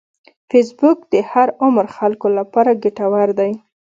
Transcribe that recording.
فېسبوک د هر عمر خلکو لپاره ګټور دی